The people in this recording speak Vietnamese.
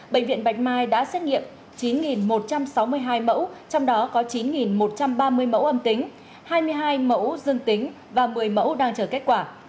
bệnh viện bạch mai đã xét nghiệm chín một trăm sáu mươi hai mẫu trong đó có chín một trăm ba mươi mẫu âm tính hai mươi hai mẫu dương tính và một mươi mẫu đang chờ kết quả